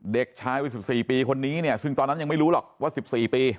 เด็กชายวัย๑๔ปีคนนี้เนี่ยซึ่งตอนนั้นยังไม่รู้หรอกว่า๑๔ปี